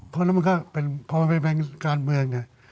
เพราะมันก็เป็นพอมันเป็นการเมืองเนี่ย